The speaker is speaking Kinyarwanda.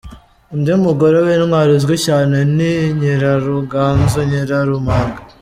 Undi mugore w’intwari uzwi cyane ni Nyiraruganzu Nyirarumaga.